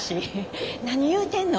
何言うてんの。